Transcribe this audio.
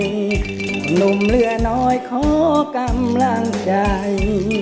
หนุ่มเหลือน้อยขอกำลังใจ